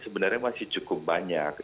sebenarnya masih cukup banyak